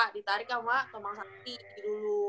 ditarik sama kemang sakti dulu